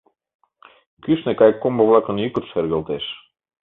Кӱшнӧ кайыккомбо-влакын йӱкышт шергылтеш.